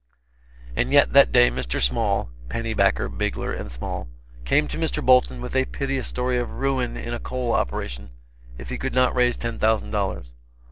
And yet that day Mr. Small (Pennybacker, Bigler and Small) came to Mr. Bolton with a piteous story of ruin in a coal operation, if he could not raise ten thousand dollars.